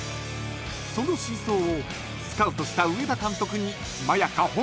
［その真相をスカウトした上田監督に］